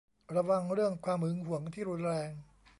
ระวังเรื่องความหึงหวงที่รุนแรง